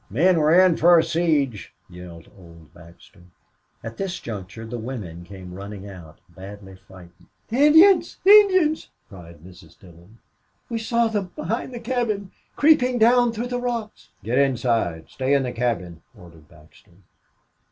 "Men, we're in for a siege!" yelled old Baxter. At this juncture the women came running out, badly frightened. "The Indians! The Indians!" cried Mrs. Dillon. "We saw them behind the cabin creeping down through the rocks." "Get inside stay in the cabin!" ordered Baxter.